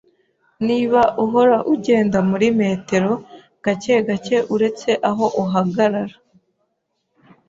Niba uhora ugenda muri metero, gake gake uretse aho uhagarara